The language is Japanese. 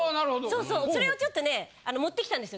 そうそうそれをちょっとね持ってきたんですよ。